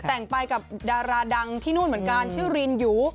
แต่งไปกับดาราดังที่นู่นเหมือนกันชื่อรินหยู